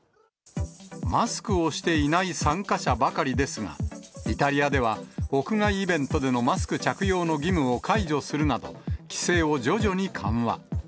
マスクをしていない参加者ばかりですが、イタリアでは屋外イベントでのマスク着用の義務を解除するなど、規制を徐々に緩和。